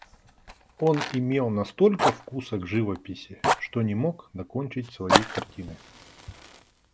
Он имел настолько вкуса к живописи, что не мог докончить своей картины.